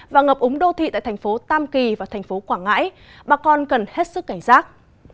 và ngập úng đô thị tại thành phố tam kỳ và thành phố quảng ngãi bà con cần hết sức cảnh giác